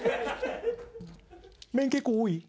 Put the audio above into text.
麺結構多い？